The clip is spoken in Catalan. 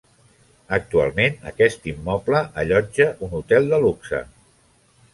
Actualment aquest immoble allotja un hotel de luxe.